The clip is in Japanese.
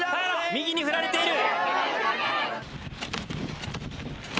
右に振られている。